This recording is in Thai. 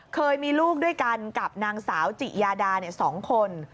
เคยมีลูกด้วยกันกับนางสาวจิยาดา๒คน